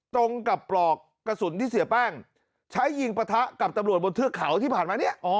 ตรงกับปลอกกระสุนที่เสียแป้งใช้ยิงปะทะกับตำรวจบนเทือกเขาที่ผ่านมาเนี่ย